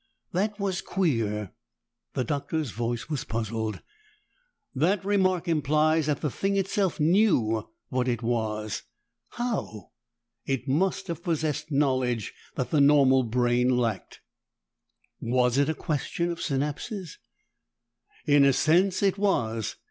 "That was queer!" The Doctor's voice was puzzled. "That remark implies that the thing itself knew what it was. How? It must have possessed knowledge that the normal brain lacked." "Was it a question of synapses?" "In a sense it was.